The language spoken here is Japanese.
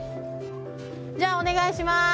じゃあお願いします。